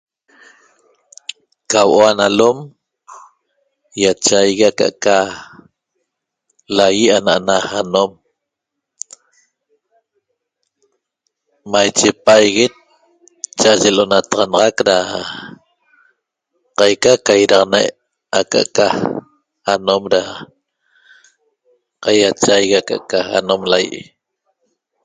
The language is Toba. Ca huo'o ana alom ýachaigue aca'aca lai' ana'ana anom maiche pa'aiguet cha'aye l'onataxanaxac da qaica ca idaxatanae'aca'aca anom da qaiachaigui aca'aca anom lai'